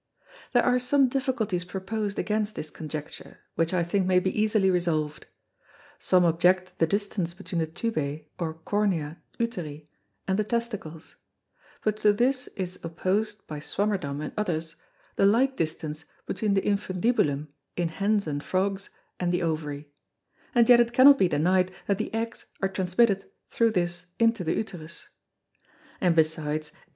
There are some Difficulties proposed against this Conjecture, which I think may be easily resolved. Some object the distance between the Tubæ or Cornua Uteri, and the Testicles; but to this is opposed by Swammerdam, and others, the like distance between the Infundibulum, in Hens and Frogs, and the Ovary; and yet it cannot be denied that the Eggs are transmitted thro' this into the Uterus: And besides _R.